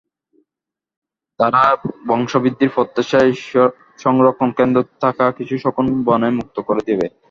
তারা বংশবৃদ্ধির প্রত্যাশায় সংরক্ষণকেন্দ্রে থাকা কিছু শকুন বনে মুক্ত করে দেবে।